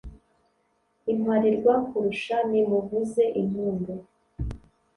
imparirwa-kurusha nimuvuze impundu